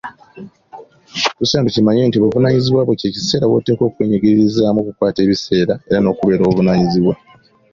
Tusaanye tukimanye nti Obuvubuka bwo kye kiseera woteekwa okweyigiririzaamu okukwata ebiseera, era n'okubeera ow'obuvunaanyizibwa.